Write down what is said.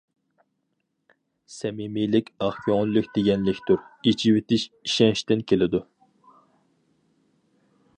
سەمىمىيلىك ئاق كۆڭۈللۈك دېگەنلىكتۇر، ئېچىۋېتىش ئىشەنچتىن كېلىدۇ.